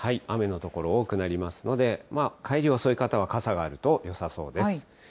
雨の所、多くなりますので、帰り遅い方は傘があるとよさそうです。